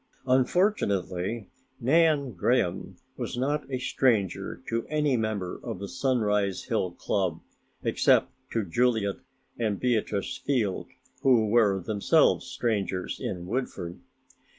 Unfortunately, Nan Graham was not a stranger to any member of the Sunrise Hill club except to Juliet and Beatrice Field, who were themselves strangers in Woodford.